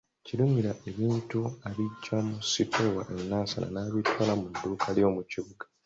Kirumira ebintu abiggya mu sitoowa e Nansana n'abitwala mu dduuka ly'omu kibuga.